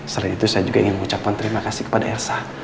selain itu saya juga ingin mengucapkan terima kasih kepada elsa